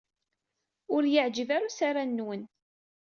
Ur iyi-yeɛjib ara usaran-nwen.